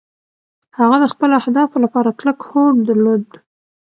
هغه د خپلو اهدافو لپاره کلک هوډ درلود.